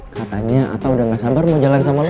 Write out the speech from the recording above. katanya atta udah gak sabar mau jalan sama lo